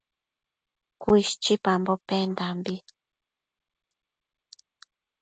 Cuishchipambo pendambi